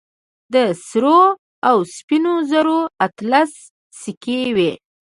د سرو او سپينو زرو اتلس سيکې وې.